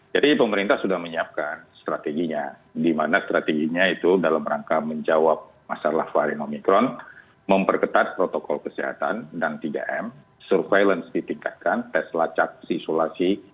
jadi pemerintah sudah menyiapkan strateginya di mana strateginya itu dalam rangka menjawab masalah varin omikron memperketat protokol kesehatan dan tiga m surveillance ditingkatkan tes lacak sisulasi dan penyelamatkan